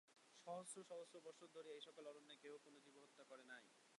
সহস্র সহস্র বর্ষ ধরিয়া এই সকল অরণ্যে কেহ কোন জীবহত্যা করে নাই।